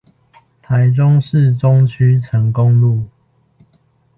台中市中區成功路